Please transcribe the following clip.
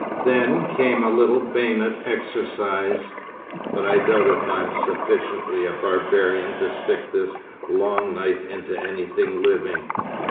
Then came a little bayonet exercise, but I doubt if I am sufficiently a barbarian to stick this long knife into anything living.